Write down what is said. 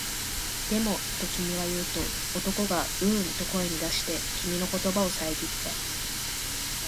でも、と君は言うと、男がううんと声に出して、君の言葉をさえぎった